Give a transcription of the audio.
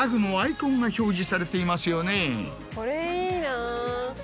これいいな。